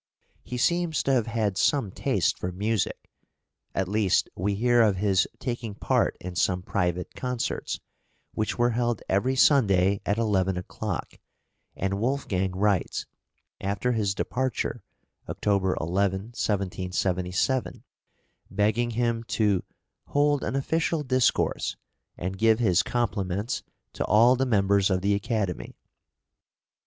He seems to have had some taste for music; at least, we hear of his taking part in some private concerts, which were held every Sunday at eleven o'clock; and Wolfgang writes, after his departure (October 11, 1777), begging him to "hold an official discourse, and give his compliments to all the members of the Academy."